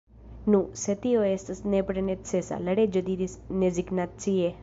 « Nu, se tio estas nepre necesa," la Reĝo diris rezignacie.